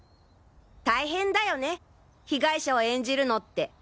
大変だよね被害者を演じるのって。